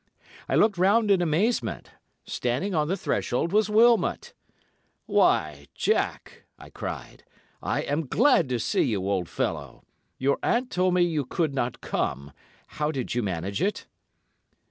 I looked round in amazement. Standing on the threshold was Wilmot. "'Why, Jack!' I cried. 'I am glad to see you, old fellow. Your aunt told me you could not come. How did you manage it?